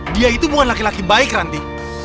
dia itu bukan laki laki baik nanti